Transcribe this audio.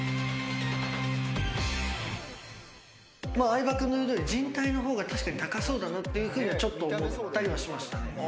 相葉君の言うとおり人体の方が高そうだなっていうふうにはちょっと思ったりはしましたね。